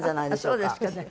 そうですかね。